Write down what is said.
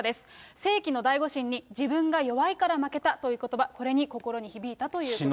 世紀の大誤審に自分が弱いから負けたということば、これに心に響いたということですね。